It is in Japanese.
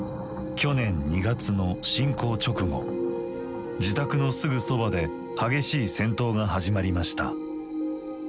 去年２月の侵攻直後自宅のすぐそばで激しい戦闘が始まりました。